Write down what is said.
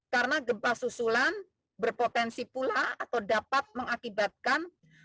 karena gempa susulan berpotensi pula atau dapat mengakibatkan